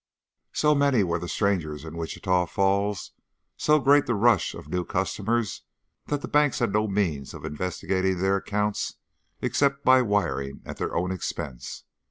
So many were the strangers in Wichita Falls, so great the rush of new customers, that the banks had no means of investigating their accounts except by wiring at their own expense.